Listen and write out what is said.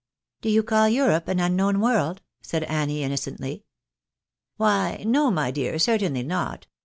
" Do you call Europe an unknown world ?" said Annie, innocently. " Why, no my dear, certainly not.